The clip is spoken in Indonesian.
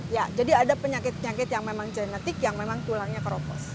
ya jadi ada penyakit penyakit yang memang genetik yang memang tulangnya keropos